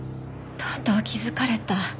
とうとう気づかれた。